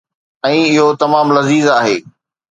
۽ اهو تمام لذيذ آهي.